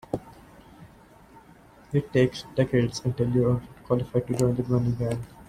It takes decades until you're qualified to join the granny gang.